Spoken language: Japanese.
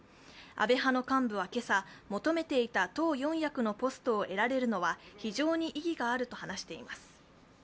安倍派の幹部は今朝、求めていた党四役のポストを得られるのは得られるのは非常に意義があると話しています。